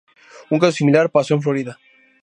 Un caso similar pasó en Florida.